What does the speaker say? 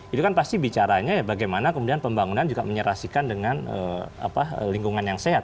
itu kan pasti bicaranya ya bagaimana kemudian pembangunan juga menyerasikan dengan lingkungan yang sehat